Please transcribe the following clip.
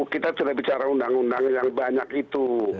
kita sudah bicara undang undang yang banyak itu